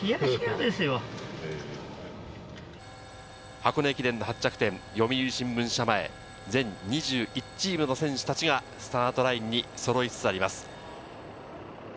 箱根駅伝の発着点、読売新聞社前、全２１チームの選手たちがスタートラインにその５つあります。